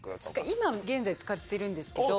今現在使ってるんですけど。